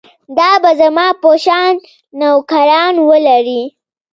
دا به زما په شان نوکران ولري.